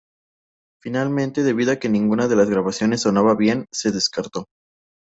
Finalmente, debido a que ninguna de las grabaciones sonaba bien, se descartó.